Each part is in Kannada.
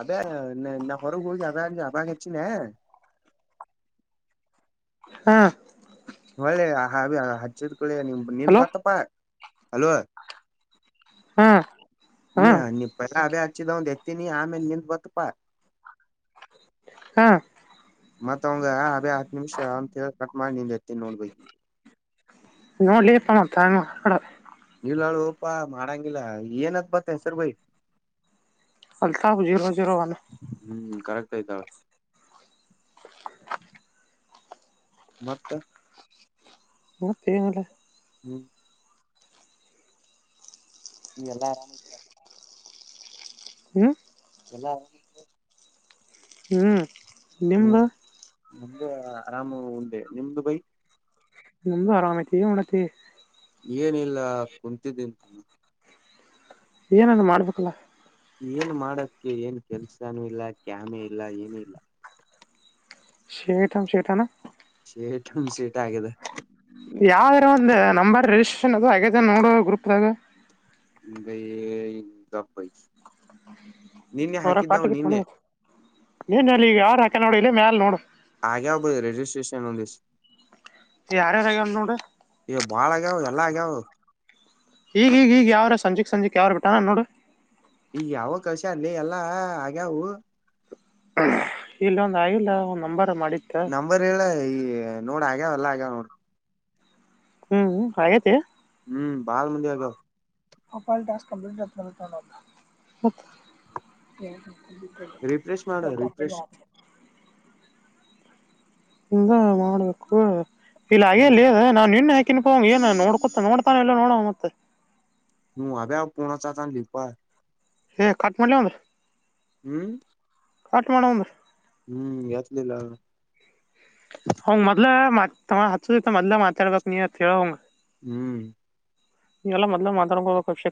ಅದೇ ನಾನ್ ಹೊರ ಹೋಗಿ ಅವಾಗ ಅಚಿಧೆ. ಹ್ಮ್ಮ್. ಒಳ್ಳೇದು ಆ ಅಚಿಧ್ ಕೂಡ್ಲೆ ನೆನಪ ಹಲೋ ಬಂತಪ್ಪ. ಹಾ ಹಾ [unintelligible] ಹಚ್ಚಿದ ಅವನದು ಎತ್ತೀನಿ ಆಮೇಲೆ ನೆನಪು ಬಂತಪ್ಪಾ. ಹ್ಮ. ಮತ್ತ ಅವಂಗ ಅದೇ ಹತ್ತು ನಿಮಿಷ ಅಥ ಕಟ್ ಮಾಡಿ ನಿಂಗ ಅಚಿನಿ ನೋಡ್. ನೋಡಲೇ ಅಪ್ಪ ಹೆಂಗ್ ಮಾಡೋದು. ಇಲ್ಲ ಹೇಳೋ ಅಪ್ಪ ಹೆಂಗ್ ಮಡಗಿಲ್ಲ ಏನಂತ ಹೆಸರು ಬೈ. ಅಲ್ತಾ ಹುಲಿ ಜೀರೋ ಜೀರೋ ಒನ್. ಬೈದಳ. ಮತ್ತ. ಮತ್ತೇನಿಲ್ಲ. ಹ್ಮ್. ನೀ ಎಲ್ಲಾ ಆರಾಮ ಇದಿರಲ್ಲ. ಹ್ಮ್. ಎಲ್ಲ. ಹ್ಮ್ ನಿಮ್ದು. ನಮ್ದ ಆರಾಮ್ ಉಂದೆ ನಿಮ್ದು ಬೈ. ನಮ್ದು ಆರಾಮೈತಿ ಏನಾಮಡಕತಿ. ಏನಿಲ್ಲ ಕುಂತಿದಿನಿ ತಾತ. ಏನನ್ ಮಾಡ್ಬೇಕಲ್ಲ. ಏನ್ ಮಾಡಕ್ಕೆ ಏನ್ ಕೆಲ್ಸಾನೂ ಇಲ್ಲ ಕ್ಯಾಮೆ ಇಲ್ಲ ಏನು ಇಲ್ಲ. ಶೇತಾಮ ಶೇತಾನ. ಸೇಟ್ ಹ್ ಸೇಟ್ ಆಗಿದೆ ಯಾವ್ದಾರ ಒಂದು್ ನಂಬರ್ ರಿಜಿಸ್ಟ್ರೇಷನ್ ಅದು ಹಾಗದ ನೋಡ ಗ್ರೂಪ್ ದಾಗ ಗೈ ಹೊರ ಕಟ್ತ್ತು ನೀನ್ಲ್ಲಿ ಈಗ ಯಾರು ಹಾಕ ನೋಡಿ ಇಲ್ಲ ಮ್ಯಾಲ ನೋಡು ಆಗೆಾವ ಬ ರೆಜ ಸ್ಟೇಷನ್ ಹಂದ ಯಾರ್ಯಾರು ಆಗ್ಯಾವ ನೋಡು ಇವು ಬಾಳಗ್ಯಾವ ಎಲ್ಲ ಆಗ್ಯವು ಈಗ ಈೀಗ ಈಗ ಯಾವಾರ ಸಂಜೆಕ್ ಸಂಜೆಕ್ ಯಾವ್ ಬಿಟ್ಟಾನ ನೋಡಿರಿ ಈ ಯಾವ ಕಲಶ ಅಲ್ಲಿ ಎಲ್ಲಾ ಆಗ್ಯಾವು ಇಲ್ಲ ಒಂದ ಆಗಿಲ್ಲ ಒ್ ನಂಬರ್ ಮಾಡಿತ್ತ ನಂಬರ್ ಹೇಳ ಈ ನೋಡ ಆಗ್ಯ ಎಲ್ಲ ಆಗ್ಯಾವ ನೋಡ್ರಿ ಹ್ಮ್ ಹಾಗೇತಿ ಹ್ಮ್ ಬಳ ಮಂದ ಆಗವು ಹಪಲ್ಟಾಸ್ಕ ಕಂಟ್ ಬ ಮ ರಿಫ್ರೆಶ್ ಮಾಡ ಕ ರಿಫ್ರೆಶ್ ಮಾಡ ಇಲ್ಲ ಮಾಡ್ಬೇಕು ಇಲ್ಲ ಅೇ ಇ ನಾನ್ ನಿನ್ ಹಾಕಿನ್ಕಂಗ್ ಏನ್ ನೋಡ್ಕೊತ ನೋಡ್ತಾನ ಎಲ್ಲ ನೋಡ ಮತ್ತೆ ನೀ ಅಬೆ ಅವ ಪೋಣ ಚತಾನ ಲೀಪ ಹ ಕಾಠ್ಮಾಂಡುಮ ರೀ ಹ್ಮ್ ಕಟ್ ಮಾಡಡಂಬರ್ ಹ್ಮ್ ಯತಲಿಲ್ಲ ಹ್ ಮೊದ್ಲ ಮಾತ್ ಹದತ ಮದ್ಲಲೆ ಮಾತಾಡ್ಬೇಕಕ್ ನೀ ಅತ್ ಹೇಳಂಗ ಹ್ಮ್ ಈವೆಲ್ಲ ಮೊದ್ಲು ಮಾತಾಡ್ಕೋಬೇಕಕ್ಷ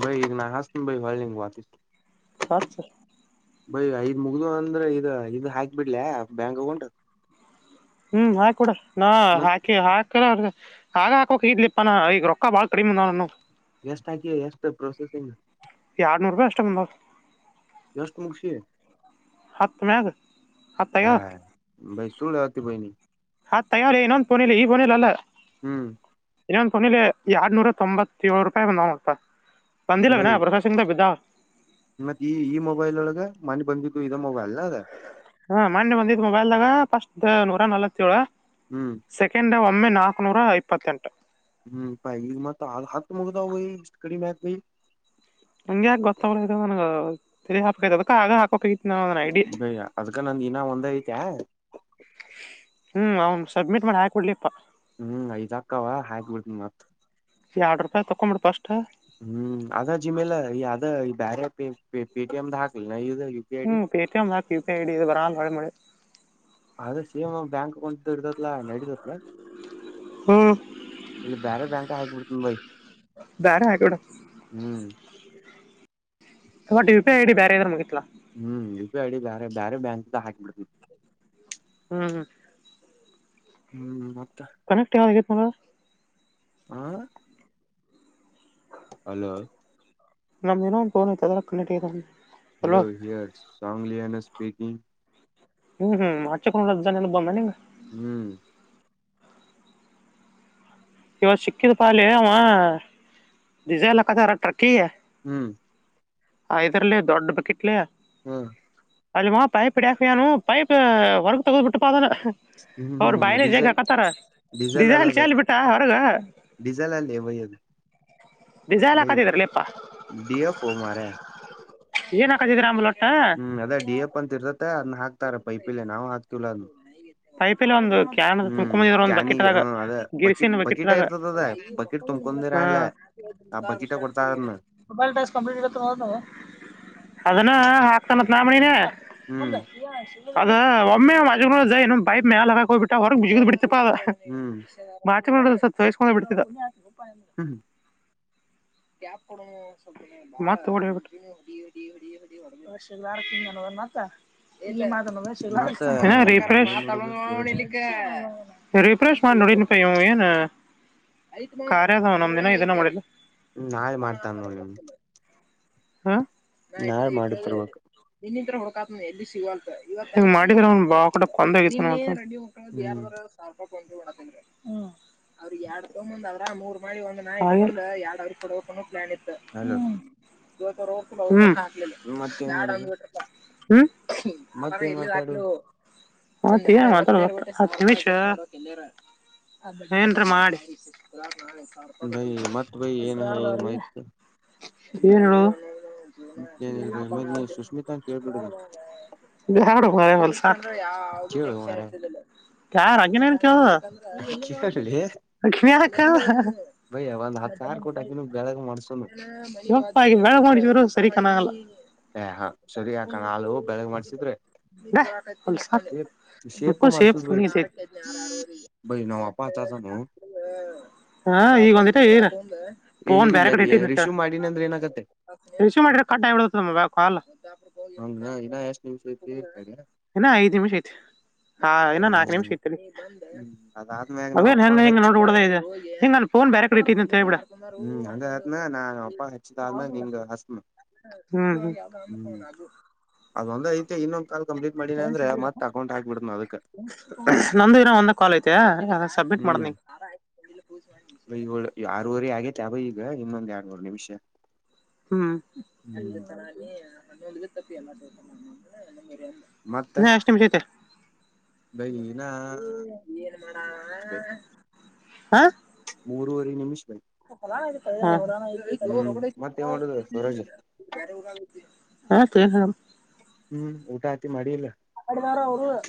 ಭೈ ಈ ನಾ ಹಾಸ ಭ ಹ ವಚ ಹಚ್ಚ ಭ ಆ ಮುಗ್ದು ಅಂದ್ರೆ ಇದ ಇದು ಹಾಕ್ಿ ಬಿಡ್ಲ ಬ್ಯಾಂಕ್ ಅಕೌಂಟ್ ಹ್ಮ್ ಹಾಕ ಕೊಡ ನ ಮತ್ ಹಾಕಿ ಹಾಕರ ಅವ್ರಗ ಆಗ ಹಾಕೋಕ ಇದ್ಲಿಪ್ಪಾನ ಈಗ ರೊಕ್ಕ ಬಾಳ್ ಕಡಿಮಂದ ನಾನು ಎಷ್ಟ ಹಾಕಿಯ ಎಷ್ಟ ಪ್ರೋಸೆಸಿಂಗ್ ಅಟುಂಬ ದಷ್ಟ ಮುುಖ ಹತ್ತ್ ಮ್ಯಾಗ ಹತ್ತ್ ಹಾ ಆಗ್ಯಾವ ಭೈ ಸು ಬಾಯನಿ ಹ ತಯಾರಾರಿ ಇನ್ನೊಂದು ಬೋನಿಲ್ಲ ಈೋನಿಲ್ಲ ಅಲ್ಲ ಹ್ಮ್ ಇನ್ನ ಒಂದ್ ಕೊನಿಲಿ ಎರಡ್ನೂರ ತೊಂಬತ್ತ ಏಳು ರೂಪಾಯಿ ಬಂದ ನ ಮಾಡ್ತ ಬಂದಿಲ್ಲ ವಿನ ಪ್ರಸಾದ್ ಸಿಂಗ್ದ ಬಿದ್ದ ಮತ್ತತ್ ಈ ಈ ಮೊಬೈಲ್ ಒಳಗ ಮನೆ ಬಂದಿದ್ದು ಇದ ಮೊಬೈಲ್ ಅದ ಹಾ ಮಂಡೆ ಬಂದಿದ್ ಮೊಬೈಲ್ದಾಗ ಫಸ್ಟ್ ನೂರ ನವತ್ತಏಳು ಹ್ಮ್ ಸೆಕೆಂಡ್ ಒಮ್ಮೆ ನಾಕಕ್ನೂರ ಇಪ್ಪತ್ತೆಂಟು ಹ್ಮ್ ಭ ಮತ ಹ ಹತ್ತ ಮುಗದ ಹೋಗ ಇಷ್ಟ ಕಡಿ ಮಕ ಬ ನಂಗೆ ಯಾಕ ಗೊತ್ತಾಗಲ ಇದು ನನ್ಗೆ ತಿರಿ ಹಾಕಕ್ೈ ಅದಕ್ಕ ಆಗ ಹಾಕೋಕ್ ಬಯ ಅದ್ಕ ನಂದ ಇಿನ ಒಂದ ಐತೆ ಹ್ಮ್ ಅವ್ನ್ ಸಬ್ಮಿಟ್ ಮಾಡಿ ಹಾಕಿಡ್ಲಿಪಾ ಹ್ಮ್ ಐ್ಾಕ್ಕವ ಹಬಡ್ತ ಮತ್ ಈ ಆರ್ಡರ್ ಪ ತೊಂಬಿ ಪಾಸ್ಟ್ ಹ್ಮ್ ಅದ ಜಿಮಲ ಈ ಅದ ಈ ಬೇರೆ ಪೇಟಿಎಮ್ದ ಹಾಕಲ್ ನ ಇ ಹ್ಮ್ ಪೇಟಿಎಂ ಅ ಕ್ಯೂಪಿಐ ಐಡಿ ಇದು ಬರಳೆ ಮಳೆ ಆದ್ರೆ ಸೇಮ್ ನ್ ಬ್ಯಾಂಕ್ ಅಕೌಂಟ್್ದ ಇಡದತ್ಲ ನಡಿದತ್ಲ ಹ್ಮ್ ಇಲ್ಲಿ ಬೇರೆ ಬ್ಯಾಂಕ್ ಹಾಕ್ಬಿಡ್ತನ್ ಭೈ ಬೇರೆ ಹಾಕಿಬಿಡು ಹ್ಮ್ ತ ಟು ಡಿ ಬೇರೆರು ಮುಗತ್ತಾ ಹ್ಮ್ ಯು ಪಿ ಐಡಿ ಬ ಬೇರೆ ಬ್ಯಾಂಕ್ ಹಾಕಿಬಿಡ್ತ ಹ್ಮ್ ಹ್ಮ. ಹ್ಮ್ ಮ. ಕನೆಕ್ಟ್ ಯಾವಾಗ ಆಗಿತ್ ಹೇಳು. ಹಾ. ಹಲೋ. ನಮ್ದ ಇನ್ನು ಒಂದು ಫೋನ್ ಅದ್ರಾಗ ಕನೆಕ್ಟ್ ಆಗ್ಯತಿ ಅಂದೆ. Hello here Sangliana speaking. ಹ್ಮ್ ಹ್ಮ್ [unintelligible] ಬಂದ ನಿಂಗ. ಹ್ಮ್. ಇವತ್ತು ಸಿಕ್ಕಿದ್ ಪಾ ಅಲ್ಲೆ ಅವ ಡಿಸೈಲ್ ಹಾಕಕತಾರ ಟ್ರಕ್ಕಿಗೆ. ಹ್ಮ್. ಆ ಇದರಲ್ಲಿ ದೊಡ್ಡ ಬಕ್ಕಿಟ್ಲೆ. ಹ್ಮ. ಅಲ್ಲಿ ಬಂದತ್ ಥೈಪ್ ಹಿಡಿಯಾಕ ಹೋಗ್ಯಾನು ಪೈಪ್ ಹೊರಗ ತಗದು ಬಿಟ್ಟ ಪ ಅದನ್ನ. ಹ್ಮ್ ಅವ್ರ ಹ್ಮ್ ಬಾಯಲೆ ಡೀಸೆಲ್ ಜಗ್ಗಾಕತಾರ ಡಿಸೈಲ್ ಚಲ್ಲಿ ಬಿಟ್ಟಾ. ಡಿಸೈಲ್ ಅಲ್ಲಲೆ ಬಾಯ್ ಅದು. ಡಿಸೈಲ್ ಬೈ ಹಾಕಕಾತಿದ್ರ ಲೇಪ್ಪಾ ಡಿ ಎಫ್ ಮಾರ ಏನ್ ಹಾಕದಿದ್ರ ಆಮೇಲೆ ಒ. ಹ್ಮ್ ಅದ ಡಿ ಎಫ ಅಂತ ಇರ್ತತೆ ಅದನ್ನ ಹಾಕ್ತಾರ ಪೈಪಲ್ಲಿ ನಾವು ಹಾಕ್ತಿವಲ್ಲ ಅದ್ನ್. ಪೈಪಲೆ ಒಂದು. ಕ್ಯಾನಿಗೆ ಹ್ಮ್ ಅದ ಬಕಿಟ್ ಬಕಿಟ ಇರ್ತದದ ಬಕಿಟ್ ತುಂಬ್ಕೊಂಡಿರ ಅಲ್ಲ ಆ ಬಕಿಟ ಕೊಡ್ತಾರನ್ನ [unintelligible] [unintelligible] ಅದನ್ನ ಹಾಕ್ತಾನತ್ ನಾ ಮಾಡಿನ ಮುಂದ ಹ್ಮ್ ಅದು. ಒಮ್ಮೆ [unintelligible] ಪೈಪ್ ಮ್ಯಾಲೆ ಹಾಕ್ ಹೋಗ್ಬಿಟ್ಟ ಹೊರಗ ಜಿಗಿದ್ ಬಿಡ್ತಪ ಪಾ ಅದು ಹ್ಮ್ ಹ್ಮ. [unintelligible] ತೊಯ್ಸ್ಕೊಂಡ ಬಿಡ್ತಿದ್ದ. ಹ್ಮ. [unintelligible] [unintelligible] ಮತ್ತ ಏನ್ ಮಾಡುದು ಸೂರಜ್ ರಿಫ್ರೆಶ್ ಮಾಡಿ ನೋಡಿದ್ನಪಾ ಇವ ಏನ್ ಕಾರ್ಯದಾವ ನಮ್ಧಿನು ಇದನ್ನ ಮಾಡಿಲ್ಲ. ಹ್ಮ ನಾಳೆ ಮಾಡ್ತಾನ ನೋಡ್ ನಿಮ್ದು. ಹಾ ಇನ್ನ ಇಟದ ಇಟದ ತರ್ಬೇಕು [unintelligible] ಹುಡುಕಾಕುತನಿ ಎಲ್ಲಿ ಸಿಗವಲ್ದು ಹ್ಮ್ [unintelligible] [unintelligible] [unintelligible] ಅವ್ರಿಗೆ ಎರಡ್ ತಗೊಂಡ್ ಬಂದು ಅದ್ರಾಗ ಮೂರು ಮಾಡಿ ಒಂದು [unintelligible] ಕೂಡ್ಬಕು ಅನ್ನ ಪ್ಲಾನ್ ಇತ್ತು. ಹಲೋ. [unintelligible] ಹ್ಮ. ಮತ್ತೇನ್ ಬ್ಯಾಡ ಮಾಡುದು ಅಂದ್ಬಿಟ್ರಪ್ಪ ಹ್ಮ ನಾನರ ಮತ್ತೇನ್ ಎಲ್ಲಿ ಮಾತಾಡುದು ದಾಟ್ಲೋ. [unintelligible] ಏನ್ರ ಮಾಡಿ. ಬೈ ಮತ್ ಬೈ ಏನ್ ಹೇಳುದು ಮೈತ್. ಏನ್ ಹೇಳು ಜೀವ್ನ ಏನಿಲ್ ತಲಿ ಬೈ ಆಫ್ ಮತ್ ನೀ ಅಗಕತತಿ ಸುಶ್ಮಿತಾ ಅಂತ ಕೇಳ್ಬಿಡು ಬೈ [unintelligible] ಬ್ಯಾಡೂ ಮಾರಾಯ ಹೋಲ್ಸ್ ಕರೆ ಹೇಳಬೇಕು ಅಂದ್ರ ಯಾವ್ದು ಕೇಳು ಟೆನ್ಷನ್ ಮಾರಾಯ ಇರ್ತಿದಿಲ್ಲ ಯಾರ್ ಅಕಿನ. ಅಕಿನದಲ್ಲ ಹೆ ಎಲ್ಲಿಂದ ಬಂದ್ಲೀಗ ಕೇಳಲಿ ಅಕೀನ್ಯಕವ ಬೈ ಒಂದ್ ಹತ್ ಸಾವ್ರ [unintelligible] ಕೊಟ್ಟ ಆಕಿನು ಬೆಳಗ್ ಮಾಡ್ಸುನು ಯಪ್ಪ ಈಗ ಹೇಳ್ ಬ್ಯಾಡ ಹೀರೋ ಸರಿ ಕಾಣಗಿಲ್ಲ. ಏ ಹಾ ಸರಿಯಾಕ ಆಗಲ್ಲ ಹೋಗಿ ಬೆಳಿಗ್ಗೆ ಮಾಡ್ಸಿದ್ರ. ಹೆ ಹೋಲ್ಸ್ ಶೇಪು ಮಾಡ್ಸುದ್ ಬೈ [unintelligible] ಬೈ ನಮ್ ಅಪ್ಪ ಹಚ್ಚಕತನೋ. ಹಾ ಈಗ ಒಂದಿಟ ಈಡ್. ಫೋನ್ ಬ್ಯಾರೆ ಈಗ ಕಡೆ ಇಟ್ಟಿದ್ನ್ಯಂಥ ಹೇಳ್ ರಿಶೀವ್ ಮಾಡಿನ ಅಂದ್ರೆ ಏನಾಗತ್ತೆ ರಿಸೀವ್ ಮಾಡಿದ್ರ ಕಟ್ ಆಗ್ಬಿಡ್ತದ ಅದು ಕಾಲ್. ಹಂಗ ಇನ್ನ ಎಷ್ಟ್ ನಿಮಿಷ ಐತಿ ತಡಿ ಇನ ಐದು ನಿಮಿಷ ಐತಿ. ಹಾ, ಇನ್ನ ನಾಕು ನಿಮಿಷ ಹ್ಮ್ ಎತ್ಹುಳೆ. ಅದಾದ್ಮ್ಯಾಗ ನಾವ್ ಅಪ್ಪ ಅಧೇನೆನೆ, ಇಂಗ, ಹಚ್ಚ ನೋಡುಬಿಡುಲೆ, ಹೇ. [unintelligible] ಫೋನ್ ಬ್ಯಾರೆಕಡೆ ಇಟ್ಟಿದೇ ಅಂತ! ಹೇಳುಬಿಡು. [unintelligible] ಹ್ಮ್, ಅದ ನಾ ಅಪ್ಪಾ ಹಚ್ಚಿದು, ಆಧುಮೇಲೈ, ನಿನ್ಗೆ, ಅಚ್ಚುಮ. [unintelligible] ಹ್ಮ್ ಹ್ಮ ಅದೊಂದ್ಐತಿ ಇನ್ನೊಂದ ಕಾಲ್ ಕಂಪ್ಲೀಟ್ ಮಾಡೀಲಾ, ಅಂದ್ರೆ ಮತ್ತ ಅಕೌಟ್ ಹಾಕಿಬಿಡುತೀನಿ, ಅದಕ? [inaudible] ನಂದು, ಇವರದು, ಒಂದ ಕಾಲ್ಐತೆ ಅ ಸಬ್ಮಿಟ್, ಮಾಡಿನಿ. [unintelligible] ಅಧೆಹೇಳೂ, ಆರುವರೆ ಆಗೇತಿ ಆಗಲೇ, ಈಗ ಇನ್ನೊಂದು, ಯಾರಡು, ನಿಮಿಷ. [unintelligible] ಹ್ಮ್, ಹ್ಮ್ ಇದೇ ತರ, ತಪ್ಪಿ ಎಲ್ಲ ಅಂದ್ರೆ? ಮತ್ತ [unintelligible] ನಾಷ್ಟ ಮುಗೀತು. [unintelligible] ಬೈ, ನಾ, ಮೂರುವರೆ, ವರ್ಷ, ಬೈ. [unintelligible] ಹಾ. [unintelligible] ಮೂರೂವರೆ, ನಿಮಿಷ. [unintelligible] [inaudible] [inaudible] ಹ್ಮ್ ಮತ್ತೇನ್ ಮಾಡುದು ಸೂರಜ್ ಯಾಕೆ, ಏನು, ಹೇಳು. [unintelligible] ಹ್ಮ್, ಊಟ, ಹತಿ, ಮಾಡಿಲ್ಲ. [inaudible]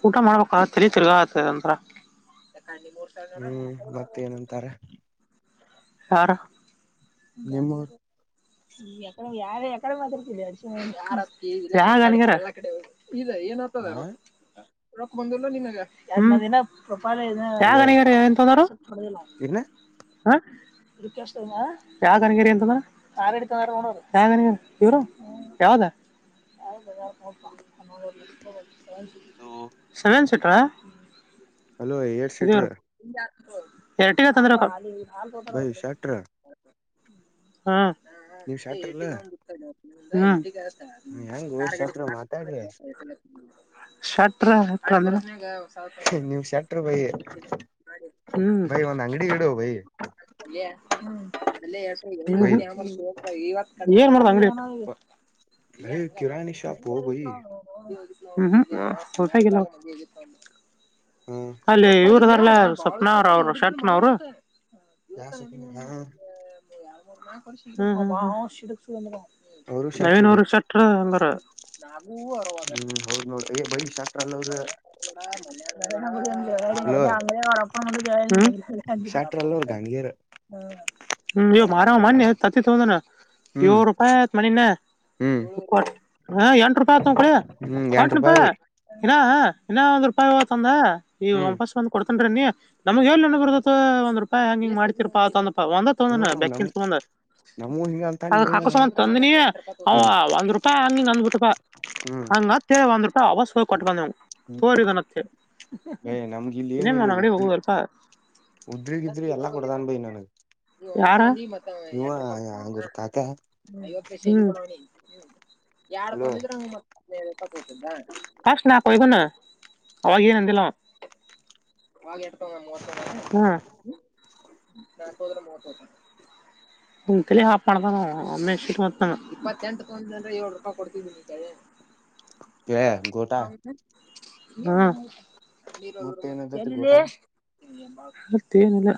ಊಟ, ಮಾಡ್ಬೇಕ ತಿರಿ ತಿರ್ಗಾ ಆತದಂತ್ರ. [unintelligible] ಅಲ್ಲಿ ನೋಡ್ತಾ ಇದ್ರು ಹ್ಮ್ ಹೋಗುನಾರೂ, ಮತ್ತ ಅನ್ಸುತ್ತೆ. ಏನಂತಾರ [unintelligible] ಯಾರು, ನಿಮ್ಮೂರ್ ಗಾಂಧಿಯವರು. [unintelligible] ಯಾಕ್, ಯಾವ್ಕಡೆ, ಯಾಕಡೆ, ಮತ್ಯಾಡುತಾಧಿ, ಯಾರು, ಅತಿ, ಹೇಳಕಡ್ಡೆ. [unintelligible] ಈಗ ಏನು ಓದ್ತಾ ಆ ಇದ್ದಾರು, ರೊಕ್ ಬಂದಿಲ್ಲ ನಿನಗೆ, ಒಂದುದಿನ. [unintelligible] ಹಲೋ ಯಾವ ಇಯರ್ ಏನ್ ಅಣುತಾನ್ದ್ರೂ. [unintelligible] ಇನ್ನ ಹ, ಯಾದಗಿರಿ ಅಂತಾಲನ. [unintelligible] ಹಾಡು ಹಿಡಿತಾರ ಅಂತ ನೋಡೋದು, ಯಾರು ಇವರು, ಯಾವ್ದು. [unintelligible] [unintelligible] [inaudible] Second speaker. [unintelligible] ಹಲೋ, ಎಸ್ಟು, ಸಿಟ್? [inaudible] ಇಟ್ಟಿಗೆ, ತಂದ್ರಕ, ಹ್ಮ. ಬೈ ಶಟ್ರ [unintelligible] ಹಾ, ಹಾ ನೀವ್ ಶಟ್ರಲ್ಲ ಇಟ್ಟಿಗೆ, ಒಂದು, ಇತು, ನೆಟ್ಟಗೆ? [unintelligible] ಹೆಂಗ ಕಾರ್ಗಡಿಗೆ, ಶಟ್ರ ಎಸ್, ಎಂ, ಮಾತಾಡ್ರಿ ಎಸ್, ಎಸ್. ಬಂತ್, ಶಾರ್ಟ್ಪೆರಿಯಡ್, ಅನುತ. [unintelligible] ಏ, ನಿಮ್, ಶಾರ್ಟ್ ಡ್ರೈವರ್. [unintelligible] ಬೈಗೆ, ಹ್ಮ್ ಬೈ ಒಂದು ಅಂಗಡಿ ಇಡ್ಡು, ಭೈ? [inaudible] ಹ್ಮ, ಹೇಳಹೇಳುತಿನಿ, ಏನುಮಾಡುಧಾ, ಅಂಗಡಿಯವನು. [unintelligible] ನಾವು, ಬೈ ಕಿರಾಣಿ ಶಾಪ್ ಬೈ ಹೆಗ್ಹಂಗಾ, ಹೂಹೂ. [unintelligible] ಹೂ, ಅರ್ಥಾಗಿಲ್ಲ, ನಾವು ಹಾ ಅಲ್ಲಿ, ಉರಿದಾಗ? [unintelligible] ಸ್ವಪ್ನಾ, ಅವ್ರ ಅವ್ರು ಶಟ್ನ್ ಅವರು. [unintelligible] ಯಾವ, ಸ್ವಪ್ನ, ಹಾ? [inaudible] ಅವರು ಅದೇ, ಶಟ್ರು ಬೈ ನೋಡು, ಶೆಟ್ಟರು, ನಂಬರ್. [unintelligible] ಹ್ಮ್, ಹೌದ್ ನೋಡ್ರಿ! ಬೈ ಶಟ್ರು ಅಲ್ಲಿ, ಅವರೆ? [unintelligible] ಅದೆ, ಅವರು, ಹೇಳೋದು, ಅವರು, ಅಪ್ಪಾ, ಮುಂದುಕೆ, ಹೇಳಿದು. ಶಾಸ್ತ್ರ ಅಲ್ಲವ್ರ [unintelligible] ಗಾಂಗೇರ್ ಹ, ಹ್ಮ್, ಬಾರೋ ಮನೆ, ಅಕ್ಕಿ ತಂದರಾಳ, ಹ್ಮ್ ನೂರು ರೂಪಾಯಿ, ಮನೀನಾ. ಹ್ಮ್ [unintelligible] ಏಳುವರೆ, ಎಂಟು, ರೂಪಾಯಿ, ಆಯ್ತು, ಕೊಡಿ, ಹ್ಮ್ ಎಂಟ ರೂಪಾಯಿ ಕೊಟುಬೇಗ? ಬೈ [unintelligible] ಇನಾ, ಇನ್ನ, ಹಾ, ಒಂದ್ ರೂಪಾಯಿ, ತಾಂಧ ಈಗ, ಹ್ಮ್ ವಾಪಸ್, ಬಂದು, ಕೊಡ್ತೀನಿ. [unintelligible] ಅಂದ್ರೆ, ನೀವು, ನಮಗೇನು, ಒಂದ್ ರೂಪಾಯಿ ಹಂಗ, ಹಿಂಗು, ಮಾಡ್ತಿರಪ್ಪಾ? [unintelligible] ತಗೊಂಡ್ರೆ ತಗೊಳೋಣ, ಹ್ಮ್ ನಮ್ ಬೇಕಿಲ್ಲ, ತಕೊಂಡು. ನಮಗೂ ಹಿಂಗ ಅಂತಂದ [unintelligible] ಇವ ಅಕಸ್ಮಾತ್ ಅಂದ್ರೆ ನೀವು? ಒಂದ್ ರೂಪಾಯಿ! ನೀನು, ನನ್ಗೆ, ಹೂ. [unintelligible] ಹ್ಮ್ ಊಟ, ಮತ್ತೆ, ಒಂದುರುಪಾಯಿ, ಆವಕ. [unintelligible] ಕೊಟ್ ಬಂದವು ಹ್ಮ್ ತಾಕೋಳಿ, ಮತ್ತು, ಏ ಇನ್ನೊನು, ಮಾಡೋದ್ರಿ, ಹೋಗಿರಿಪ. [unintelligible] ಉದ್ರಿಕಿದ್ರಿ, ಎಲ್ಲಾ, ಕೊಡುತಾನೇರಿ, ನನಗೆ. [unintelligible] ಯಾರ, ಹ್ಮ್ಮ್. ಕಾಕ [unintelligible] ಯಾರು, ಹಲೋ ತಕೊಂಡು, ಇದರು, ಲೆಕ್ಕತೋರಿಸೋಧ. [unintelligible] ಕಸ್ಣ ಕೊಯಗನು ಅವಾಗಾಗ ನಂದಲ ಆಾಗ ಎಡ್ತಂಗ ಮೂವತ್ತಂಗಾನ ನಾಲ್ಕದರ ಮೂವತ್ತುತ್ತು ಹ ಕಲೆ ಹಾಕ್ ಮಾಡ್ದಾನು ಅಮ್ಮ ಇಪ್ಪಂ್ರ ಏ ರೂಪಾಯಿ ಕೊಡ್ತ ಹ ಹ್ಮ ಮತ್ತ ಏನಂತತಿ ಗೋಟಾ ಮತ ಏನಲ್ಲ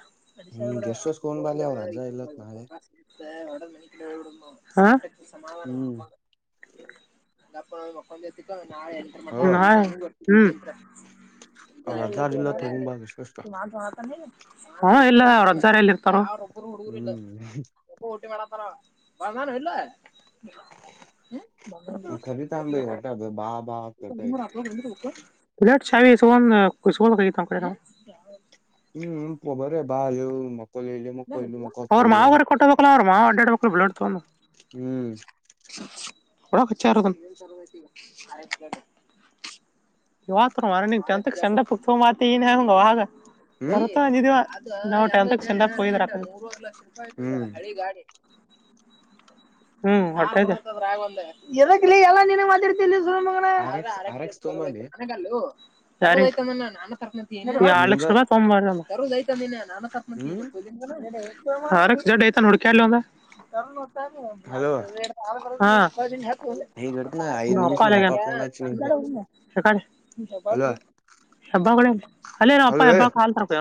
ಹ್ಮ್ ಅಡಿಶಾರ ಗೆಸ್ಟ್ ಹೌಸ್ ತಗೊಂಡ್ ಕೂಡ ಬಾಲಿ ಅವ್ರ ಅಜ್ಜ ಇಲ್ಲತ್ ನಾಳೆ ಅ ಮನ ಸಾಧಾನ ಹ್ಮ್ ಅ ಮ ನಾ ಎಂಟ ಮಾಡ ಹ ಅವ್ರ ಅಜ್ಜಾರ್ ಇಲ್ಲ ತಗೊಂಬ ಗೆಸ್ಟ್ ಹೌಸ್ ಚುನ ಜ ತ ನೀ ಹಾ ಇಲ್ಲ ರಜ್ಜಾರಲ್ಲಿ ಇರ್ತಾರ ಹುಡು ಹ್ಮ್ ಬಧಾನ ಹಲ್ಲ ರಿತಾಮ ಭ ಹೊಟ್ಟಾಬ ಬಾ ಬಾ ಅಂತ ಚಾವ ಸ ಸ ಹ್ಮ್ ಬರ ಬಾ ಮ ಅವ್ರ ಮಾವರಿಗೆ ಕೊಟ್ಟೋ್ಬೇಕಕ್ಲ ಅವ್ರ ಮಾವ ಅಡ್ಡಡ್ಬೇಕಕ್ ಬಿಳಾಡ್ತೊಂಡಂದು ಹ್ಮ್ ಡ ಕಚಾರ ಇವತರ ಮಂತ ಚೆಂಡ ಪುಕ್ತ್ತ ಏನ್ ಹಂಗ ಆಾಗ ಹ್ಮ್ ಬರತಂದಿದೀವ ನಾವು ಟತ್ ಚೆ ಮೂವರೆ ಲಕ್ಷ ರೂಪಾಯಿಯ್ತದ ಹ್ಮ್ ಹಳಿ ಗಾಡಿ ಹ್ಮ್ ಎಲ್ಲ ಮಾರ್ತ ಆರ್ ಎಕ್ಸ್ ಆರ್ ಎಕ್ಸ್ ್ರ ತೊಂಬಲ್ಲಿ ಮನಗಲ್ಲು ಸ ನಾನಕರ್ಕ ಲ ನಿಂಗ ಸ ಸ ಹ್ಮ್ ನಾನಕರ್ ಹಾರ ಜಡತ ನುಡಕಲ ಹಲೋ ನ ಈಗ ಇಡ್ತನ ಐದ್ ನಿಮಿಷ ನಮ್ಮ ಅಪ್ಪ ಫೋನ್ ಹಚ್ಚಿ ನಿಂಗ್ ಫೋನ್ ಸ ಹಲೋ ಹಬ್ಬೇ ಅಲ್ಲೇನ ಅಪ್ಪ ಹಲೋ ಹಬ್ಬ ಏ ಹಾಲ್ ತರಕ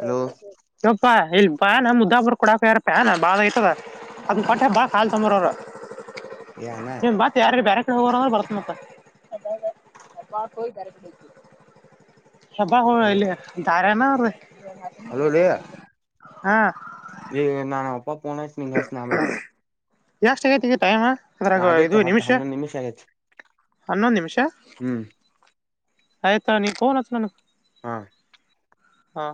ಹಲೋ ಯಪ್ಪಾ ಇಲ್ ಪ್ಯಾನ ಮುದ್ದಾಬುರ್ ಕೊಡಕ ಯಾರ ಪ್ಯಾಾನ ಬಾ ಐತದ ಅದ್ ಕೊಟ್ಟೆ ಬಾ ಕಾಲ್ ತಂಬರ ಅವರು ಏ ಅಣ್ಣ ನೀ ಮತ್ ಯಾರ ಬ್ಯಾರೆಕ್ ರ ಬತನತ್ತ ಹಬ್ಬಾಗ ಹ ಹಲೋ ಇಲ್ಲಿ ದಾರೆನಾ ಅ ರೀ ಹಾ ಇ ನಾನ ಪಪಾ ಪನ ನೀ ಾಸನೆಮ ಯಾಷ್ಟ ಆಗೈತಿಗೆ ಟೈಮಾ ಅದ್ರಾಗ ಇದು ಆಗೇತಿ ಹತ್ತು ನಿಮಿಷ ಹನ್ನೊಂದು ಆಗೇತಿ ಹನ್ನೊಂದು ನಿಮಿಷ ಹ್ಮ್ ಆಯ್ತಾ ನೀ ಕೋನತ ನಾನ ಹಾ ಹಾ